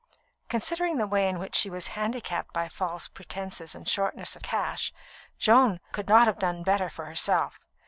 Considering the way in which she was handicapped by false pretences and shortness of cash, Joan could not have done better for herself.